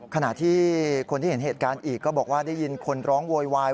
ขณะที่คนที่เห็นเหตุการณ์อีกก็บอกว่าได้ยินคนร้องโวยวาย